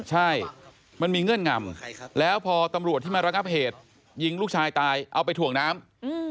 ใช่มันมีเงื่อนงำแล้วพอตำรวจที่มาระงับเหตุยิงลูกชายตายเอาไปถ่วงน้ำ